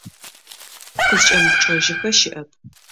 Къызкӏэмыупчӏэжьыхэ щыӏэп.